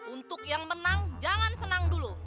untuk yang menang jangan senang dulu